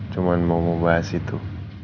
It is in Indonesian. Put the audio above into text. cuma mau ngobah situ